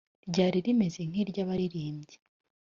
ryari rimeze nk iry abaririmbyi